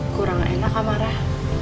kurang enak amarah